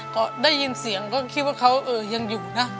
ก็ได้ยินเสียงก็คิดว่าเขายังอยู่นะ